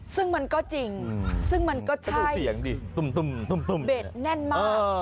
ซึ่งมันก็จริงซึ่งมันก็ใช่เบ็ดแน่นมาก